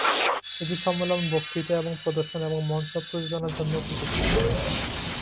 এটি সম্মেলন, বক্তৃতা এবং প্রদর্শন এবং মঞ্চ প্রযোজনার জন্যও উপযুক্ত।